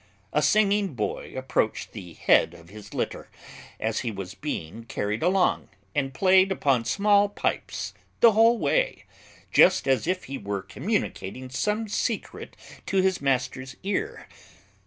A singing boy approached the head of his litter, as he was being carried along, and played upon small pipes the whole way, just as if he were communicating some secret to his master's ear.